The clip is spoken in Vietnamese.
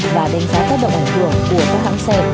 và đánh giá tác động ảnh hưởng của các hãng xe